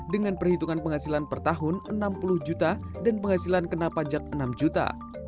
dengan perhitungan penghasilan per tahun enam puluh juta dan penghasilan kena pajak enam juta